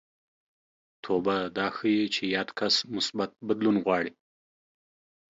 توبه دا ښيي چې یاد کس مثبت بدلون غواړي